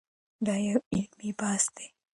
دا یو علمي بحث دی.